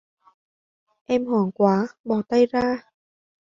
Em hoảng quá bỏ tay ra